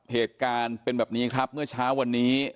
เหตุการณ์เป็นแบบนี้ครับเมื่อเช้าวันนี้